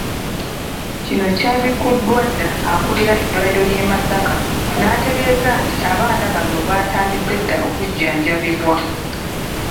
Kino kyabikuddwa akulira eddwaliro ly'e Masaka n'ategeeza nti abana bano baatandise dda okujjanjabibwa.